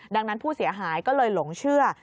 ดังนั้นผู้เสียหายก็เลยหลงเชื่อ